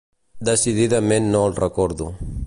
Decididament no el recordo.